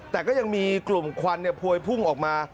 แต่ก็ยังมีกลุ่มควันพวยพุ่งออกมา